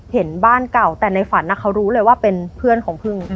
เห็นบ้านเก่าแต่ในฝันเขารู้เลยว่าเป็นเพื่อนของพึ่ง